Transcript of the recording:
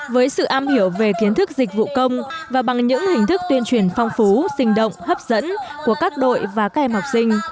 với sự am hiểu về kiến thức dịch vụ công và bằng những hình thức tuyên truyền phong phú sinh động hấp dẫn của các đội và các em học sinh